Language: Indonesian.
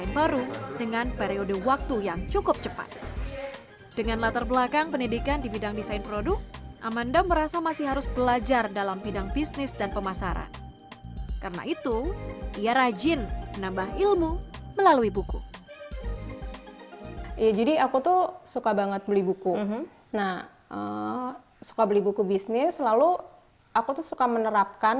ya jadi aku tuh suka banget beli buku nah suka beli buku bisnis lalu aku tuh suka menerapkan